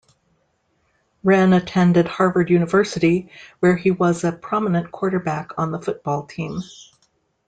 Wrenn attended Harvard University where he was a prominent quarterback on the football team.